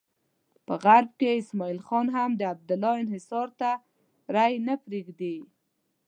په غرب کې اسماعیل خان هم د عبدالله انحصار ته رایې نه پرېږدي.